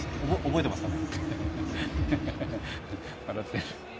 覚えてますかね？